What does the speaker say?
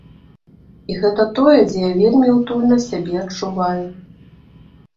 І гэта тое, дзе я вельмі утульна сябе адчуваю.